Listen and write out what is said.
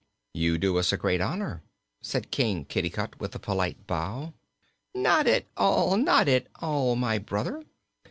"You do us great honor," said King Kitticut, with a polite bow. "Not at all not at all, my brother.